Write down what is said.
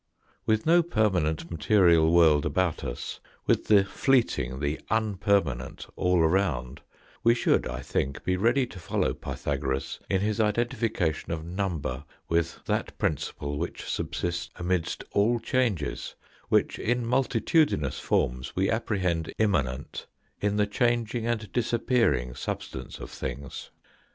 With no permanent material world about us, with the fleeting, the unpermanent, all around we should, I think, be ready to follow Pythagoras in his identification of number with that principle which subsists amidst all changes, which in multitudinous forms we apprehend immanent in the changing and disappearing substance of things.